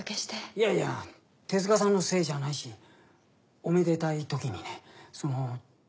いやいや手塚さんのせいじゃないしおめでたい時にねその。